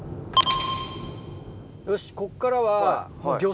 よしこっからは。